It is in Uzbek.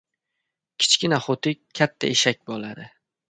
• Kichkina xo‘tik katta eshak bo‘ladi.